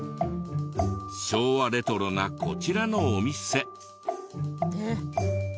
昭和レトロなこちらのお店。